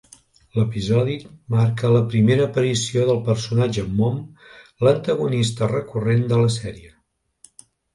L'episodi marca la primera aparició del personatge Mom, l'antagonista recurrent de la sèrie.